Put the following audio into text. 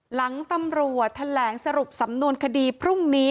หลังตำรวจแถลงสรุปสำนวนคดีพรุ่งนี้